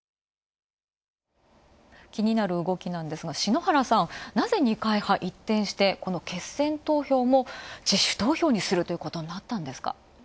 気になる動きですが、篠原さん、なぜ二階派、一転してこの決選投票も自主投票にすることということになったんですか。